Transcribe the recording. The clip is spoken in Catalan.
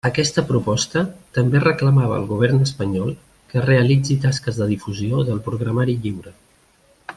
Aquesta proposta també reclamava al Govern espanyol que realitzi tasques de difusió del programari lliure.